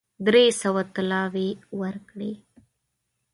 درې سوه طلاوي ورکړې.